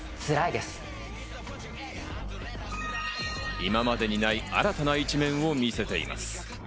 今までにない新たな一面を見せています。